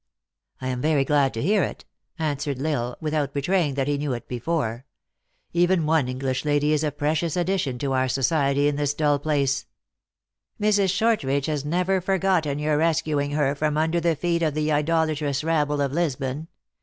" I am very glad to hear it," answered L Isle, with out betraying that he knew it before. "Even one English lady is a precious addition to our society in this dull place." " Mrs. Shortridge has never forgotten your rescuing her from under the feet of the idolatrous rabble of Lisbon.